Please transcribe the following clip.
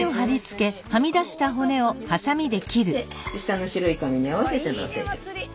下の白い紙に合わせてのせる。